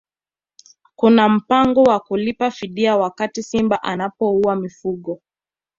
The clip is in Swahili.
Kuna mpango wa kulipa fidia wakati simba anapouwa mifugo